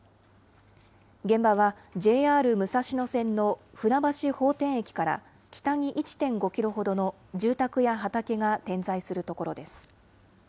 現場は、ＪＲ武蔵野線の船橋法典駅から北に１．５キロほどの住宅や畑が点在する所です。